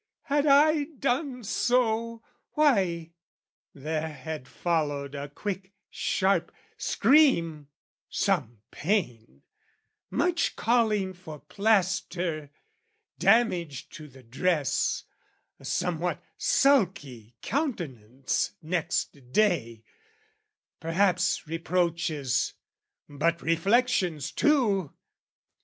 had I done so, Why, there had followed a quick sharp scream, some pain, Much calling for plaister, damage to the dress, A somewhat sulky countenance next day, Perhaps reproaches, but reflections too!